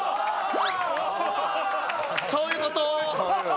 そういうこと！